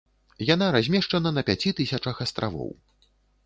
Яна размешчана на пяці тысячах астравоў.